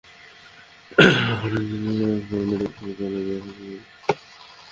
পরে তিনি Rangpur medical college হাসপাতালে চিকিৎসাধীন অবস্থায় শনিবার সন্ধ্যায় মারা যান।